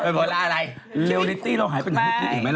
โพล่าอะไร